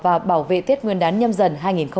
và bảo vệ thiết nguyên đán nhâm dần hai nghìn hai mươi hai